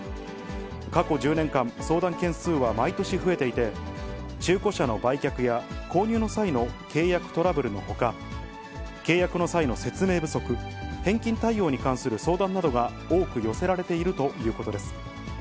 過去１０年間、相談件数は毎年増えていて、中古車の売却や購入の際の契約トラブルのほか、契約の際の説明不足、返金対応に関する相談などが多く寄せられているということです。